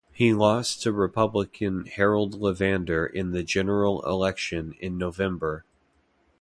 He lost to Republican Harold LeVander in the general election in November.